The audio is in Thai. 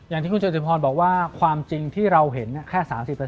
อย่างที่คุณจตุพรบอกว่าความจริงที่เราเห็นแค่๓๐